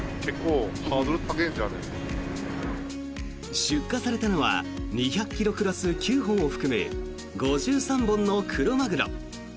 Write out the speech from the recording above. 出荷されたのは２００ｋｇクラス９本を含む５３本のクロマグロ。